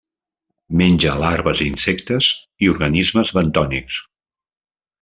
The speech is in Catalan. Menja larves d'insectes i organismes bentònics.